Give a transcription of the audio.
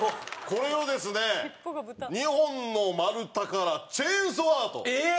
これをですね２本の丸太からチェンソーアート。